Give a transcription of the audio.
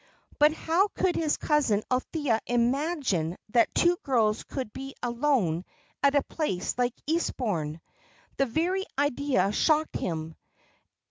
But how could his cousin Althea imagine that two girls could be alone at a place like Eastbourne? The very idea shocked him.